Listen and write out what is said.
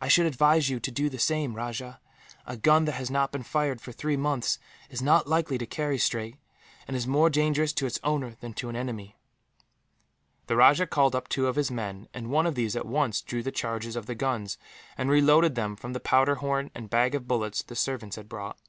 "I should advise you to do the same, Rajah. A gun that has not been fired for three months is not likely to carry straight, and is more dangerous to its owner than to an enemy." The rajah called up two of his men, and one of these at once drew the charges of the guns, and reloaded them from the powder horn and bag of bullets the servants had brought.